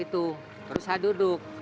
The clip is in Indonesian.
terus saya duduk